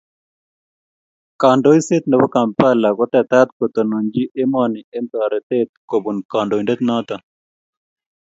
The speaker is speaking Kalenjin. kandoiset nebo Kampala kutetat kotononji emoni eng toretet kobun kandoindet noto